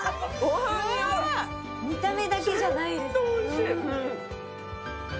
見た目だけじゃないです。